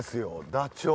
ダチョウ。